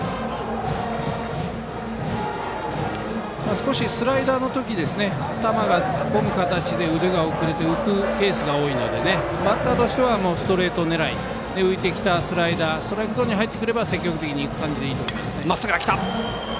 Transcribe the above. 少しスライダーのとき頭が突っ込む形で腕が遅れて浮くケースが多いのでバッターとしてはストレート狙いで浮いてきたスライダーストライクゾーンに入ってくれば積極的にいく感じでいいと思います。